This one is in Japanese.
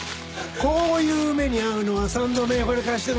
こういう目に遭うのは３度目ほら